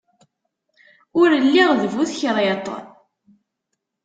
Ur lliɣ d bu tekriṭ.